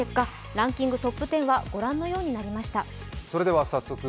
ランキングトップ１０はご覧のようになりました。